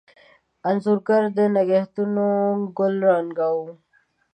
انځورګر دنګهتونوګل رنګونو